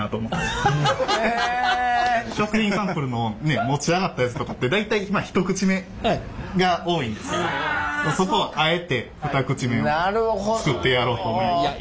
食品サンプルの持ち上がったやつとかって大体一口目が多いんですけどそこをあえて二口目を作ってやろうと。